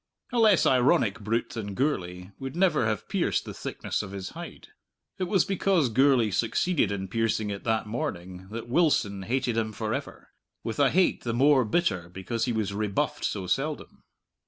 A less ironic brute than Gourlay would never have pierced the thickness of his hide. It was because Gourlay succeeded in piercing it that morning that Wilson hated him for ever with a hate the more bitter because he was rebuffed so seldom.